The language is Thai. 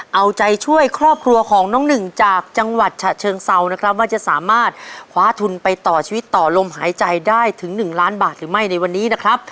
เอาใจช่วยครอบครัวของน้องหนึ่งจากจังหวัดฉะเชิงเซานะครับว่าจะสามารถคว้าทุนไปต่อชีวิตต่อลมหายใจได้ถึง๑ล้านบาทหรือไม่ในวันนี้นะครับ